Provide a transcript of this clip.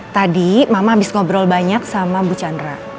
tadi mama habis ngobrol banyak sama bu chandra